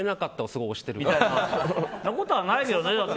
そんなことはないけどね。